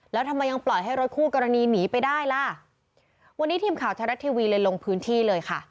แล้วทำไมยังปล่อยให้รถคู่กรณีหนีไปได้ล่ะวันนี้ทีมข่าวไทยรัฐทีวีเลยลงพื้นที่เลยค่ะ